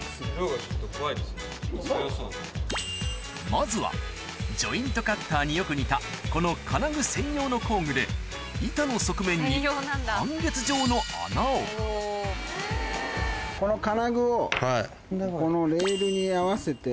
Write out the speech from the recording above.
まずはジョイントカッターによく似たこの金具専用の工具で板の側面にこの金具をこの。